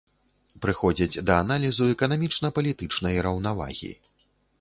Прыходзяць да аналізу эканамічна-палітычнай раўнавагі.